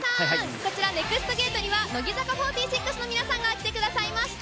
こちら、ＮＥＸＴゲートには、乃木坂４６の皆さんが来てくださいました。